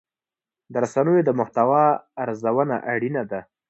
د رسنیو د محتوا ارزونه اړینه ده.